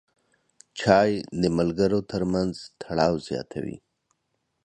چای د ملګرو ترمنځ تړاو زیاتوي.